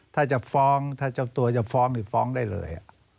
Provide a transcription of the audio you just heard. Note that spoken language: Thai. ถ้าจะฟ้องถ้าตัวจะฟ้องฟ้องได้เลย